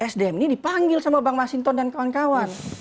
sdm ini dipanggil sama bang masinton dan kawan kawan